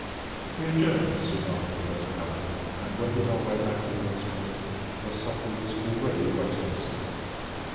We adjourned soon after the first ballet, and wended our way back to the restaurant, where supper was already awaiting us.